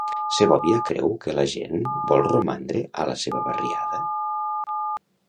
Segovia creu que la gent vol romandre a la seva barriada?